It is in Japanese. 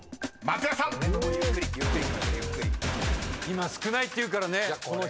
今少ないっていうからね。